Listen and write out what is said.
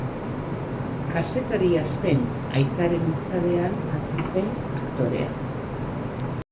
Kazetaria zen aitaren itzalean hazi zen aktorea.